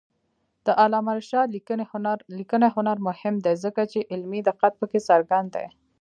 د علامه رشاد لیکنی هنر مهم دی ځکه چې علمي دقت پکې څرګند دی.